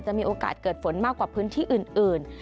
มีโอกาสเกิดฝนมากกว่าพื้นที่อื่น